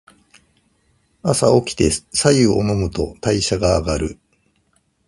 朝おきて白湯を飲むと代謝が上がる。